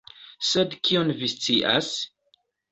Sed kion vi scias?